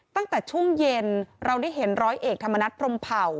ตั้งแต่ช่วงเย็นเราได้เห็นร้อยเอกธรรมนัฐพรมเผ่า